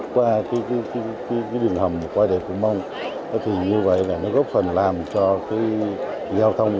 qua cái đường hầm qua đèo cổ mông thì như vậy là nó góp phần làm cho cái giao thông